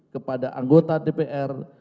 kepada anggota dpr